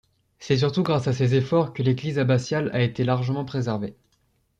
C'est surtout grâce à ses efforts que l'église abbatiale a été largement préservée.